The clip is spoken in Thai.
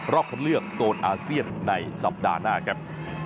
คันเลือกโซนอาเซียนในสัปดาห์หน้าครับ